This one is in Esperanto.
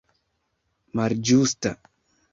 malĝusta